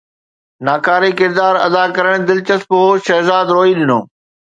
ناڪاري ڪردار ادا ڪرڻ دلچسپ هو، شهزاد روئي ڏنو